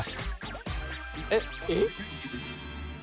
えっ！えっ？